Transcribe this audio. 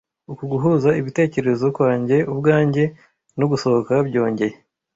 Uku guhuza ibitekerezo kwanjye ubwanjye, no gusohoka byongeye.